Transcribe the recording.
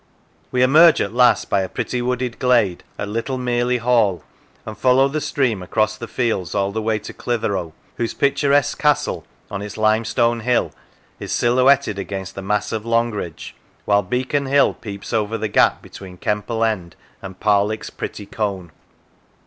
We emerge at last, by a pretty wooded glade, at Little Mearley Hall, and follow the stream across the fields all the way to Clitheroe, whose picturesque castle, on its limestone hill, is silhouetted against the mass of Longridge, while Beacon Hill peeps over the gap between Kemple End and Parlick's pretty cone.